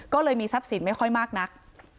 ก็เลยมีทรัพย์สินไม่ค่อยมากนัก